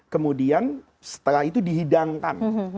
kemudian setelah itu dihidangkan